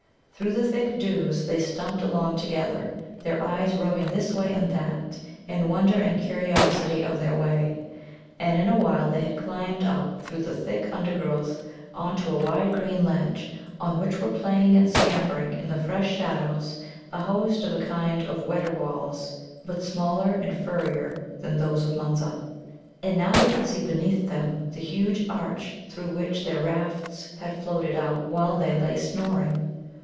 Through the thick dews they stumped along together, their eyes roving this way and that, in wonder and curiosity of their way. And in a while they had climbed up through the thick undergrowth on to a wide green ledge, on which were playing and scampering in the fresh shadows a host of a kind of Weddervols, but smaller and furrier than those of Munza. And now they could see beneath them the huge arch through which their rafts had floated out while they lay snoring.